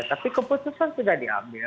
tapi keputusan sudah diambil